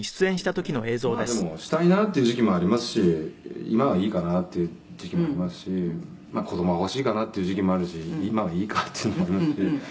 まあでもしたいなって時期もありますし今はいいかなって時期もありますし子供が欲しいかなっていう時期もあるし今はいいかっていうのもありますし」